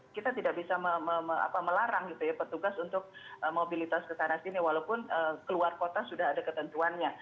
kita tidak bisa melarang petugas untuk mobilitas ke sana sini walaupun keluar kota sudah ada ketentuannya